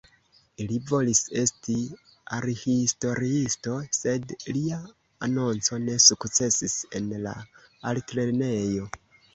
Li volis esti arthistoriisto, sed lia anonco ne sukcesis en la altlernejo.